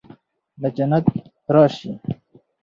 د جنت راشي